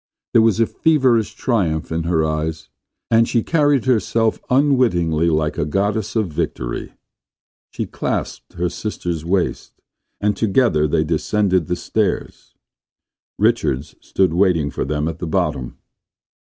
There was a feverish triumph in her eyes, and she carried herself unwittingly like a goddess of Victory. She clasped her sister's waist, and together they descended the stairs. Richards stood waiting for them at the bottom.